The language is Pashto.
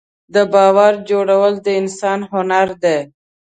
د باور جوړول د انسان هنر دی.